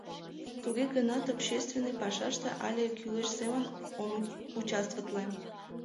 Туге гынат общественный пашаште але кӱлеш семын ом участвоватле.